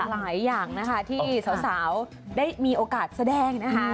หลายอย่างนะคะที่สาวได้มีโอกาสแสดงนะคะ